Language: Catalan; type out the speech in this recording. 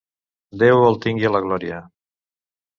Déu el tingui a la glòria.